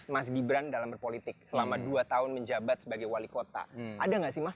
mas gibran dalam berpolitik selama dua tahun menjabat sebagai wali kota ada nggak sih mas